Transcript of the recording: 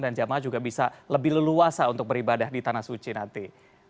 dan jemaah juga bisa lebih leluasa untuk beribadah di tanah suci nanti